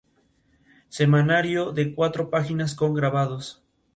Su fase final fue de decadencia, volviendo a un estilo cercano al manierismo tardío.